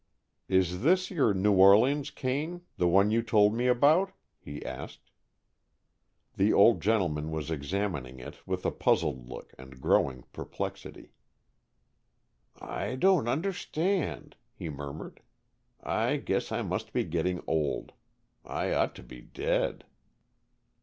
"Is this your New Orleans cane, the one you told me about?" he asked. The old gentleman was examining it with a puzzled look and growing perplexity. "I don't understand it," he murmured. "I guess I must be getting old. I ought to be dead."